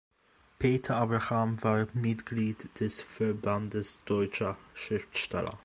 Peter Abraham war Mitglied des Verbandes deutscher Schriftsteller.